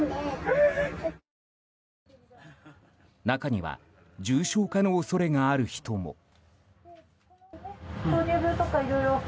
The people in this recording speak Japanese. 中には重症化の恐れがある人も。